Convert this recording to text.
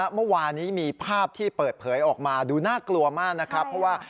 เมื่อวานนี้มีภาพที่เปิดเผยออกมาดูน่ากลัวมากนะครับเพราะว่า